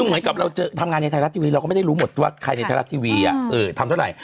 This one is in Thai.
เหมือนกับเราทำงานในไทยรัฐทีวีเราก็ไม่ได้รู้หมดว่าใครในไทยรัฐทีวีทำเท่าไหร่